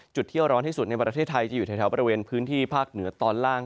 เที่ยวร้อนที่สุดในประเทศไทยจะอยู่แถวบริเวณพื้นที่ภาคเหนือตอนล่าง